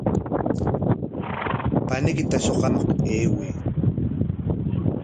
Paniykita shuqamuq ayway.